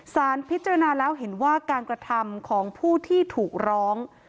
สารพิจารณาแล้วเห็นว่าการกระทำของผู้ที่ถูกร้อง